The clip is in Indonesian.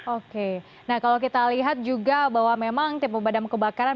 oke nah kalau kita lihat juga bahwa memang tim pemadam kebakaran